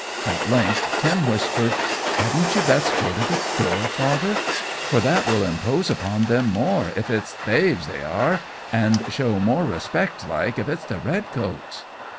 At length Tim whispered, "Hadn't you best go to the door, Father, for that will impose upon them more, if it's thaves they are, and show more respect, like, if it's the red coats?"